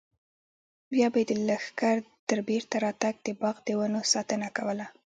بیا به یې د لښکر تر بېرته راتګ د باغ د ونو ساتنه کوله.